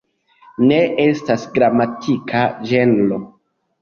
Ne estas gramatika ĝenro.